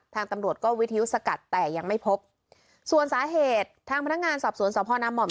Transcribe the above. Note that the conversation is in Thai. ทางตำรวจก็วิทยุสกัดแต่ยังไม่พบส่วนสาเหตุทางพนักงานสอบสวนสพนามห่อม